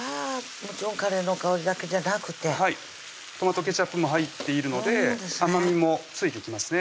もちろんカレーの香りだけじゃなくてトマトケチャップも入ってるので甘みもついてきますね